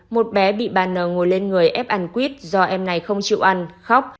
một bé bị baner ngồi lên người ép ăn quyết do em này không chịu ăn khóc